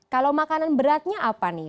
kalau makanan beratnya apa nih